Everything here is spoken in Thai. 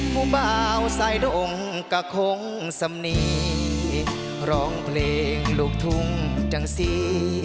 เบาสายดงก็คงสำนีร้องเพลงลูกทุ่งจังสี